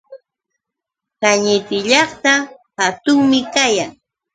Kañiti llaqta hatunmi kayan.